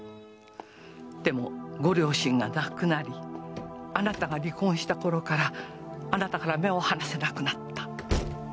でもご両親が亡くなりあなたが離婚した頃からあなたから目を離せなくなった。